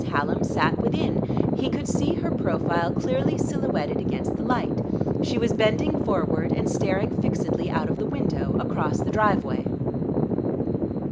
Hallam sat within. He could see her profile clearly silhouetted against the light; she was bending forward and staring fixedly out of the window, across the driveway.